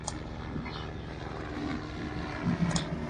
Luego realizan conciertos únicamente en Menorca y alguna salida a Mallorca.